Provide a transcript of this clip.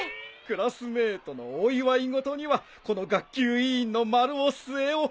クラスメートのお祝い事にはこの学級委員の丸尾末男